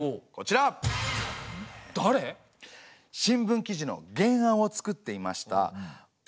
新聞記事の原案を作っていました